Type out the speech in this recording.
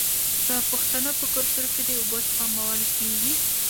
د پښتنو په کلتور کې د اوبو سپمول کیږي.